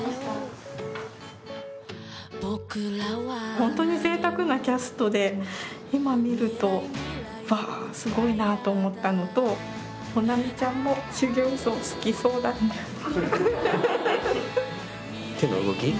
本当にぜいたくなキャストで今観るとわあすごいなと思ったのと保奈美ちゃんも手の動き？